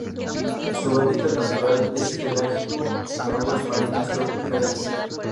Su hábitat natural es pelágico, en aguas marinas tropicales.